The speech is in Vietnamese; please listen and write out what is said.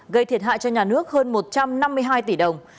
gây thiệt hại cho nhà nước hơn một trăm năm mươi hai tỷ đồng